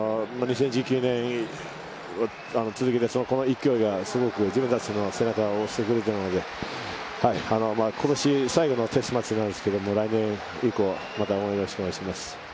２０１９年に続けて、この勢いが自分たちの背中を押してくれたので、今年最後のテストマッチなんですけれど、来年以降、また応援よろしくお願いします。